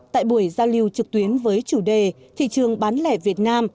tại buổi giao lưu trực tuyến với chủ đề thị trường bán lẻ việt nam